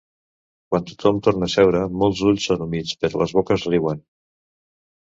Quan tothom torna a seure molts ulls són humits, però les boques riuen.